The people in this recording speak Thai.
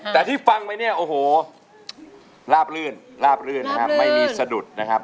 แต่ที่ฟังไปเนี่ยโอ้โหลาบลื่นลาบลื่นนะครับไม่มีสะดุดนะครับ